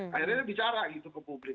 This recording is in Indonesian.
akhirnya bicara gitu ke publik